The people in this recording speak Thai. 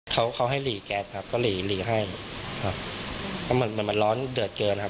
เขาเขาให้หลีแก๊สครับก็หลีหลีให้ครับแล้วมันมันร้อนเดือดเกินครับ